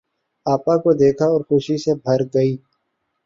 آپا کو دیکھا اور خوشی سے بھر گئی۔